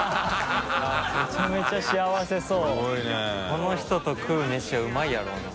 この人と食うメシはうまいやろうな。